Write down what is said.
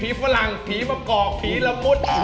ฝรั่งผีมะกอกผีละมุด